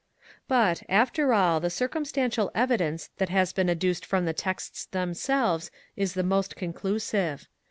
54. But, after all, the circumstantial evidence that has been adduced from the texts themselves is the most conclusive.